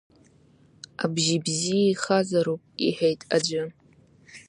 Абжьы бзиа ихазароуп, – иҳәеит аӡәы.